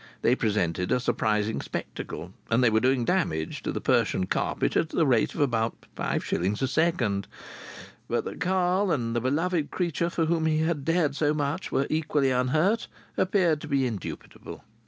They presented a surprising spectacle, and they were doing damage to the Persian carpet at the rate of about five shillings a second; but that Carl, and the beloved creature for whom he had dared so much, were equally unhurt appeared to be indubitable.